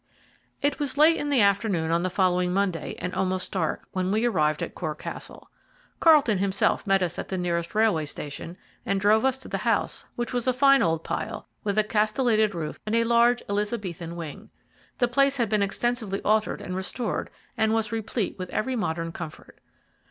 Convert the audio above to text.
It was late in the afternoon on the following Monday, and almost dark, when we arrived at Cor Castle. Carlton himself met us at the nearest railway station, and drove us to the house, which was a fine old pile, with a castellated roof and a large Elizabethan wing. The place had been extensively altered and restored, and was replete with every modern comfort.